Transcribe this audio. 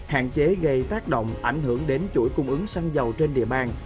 hạn chế gây tác động ảnh hưởng đến chuỗi cung ứng xăng dầu trên địa bàn